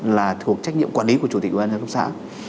là thuộc trách nhiệm quản lý của chủ tịch ủy ban nhân dân cấp xã